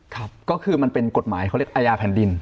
ครับก็คือมันเป็นกฎหมายเขาเรียกอาญาแผ่นดิน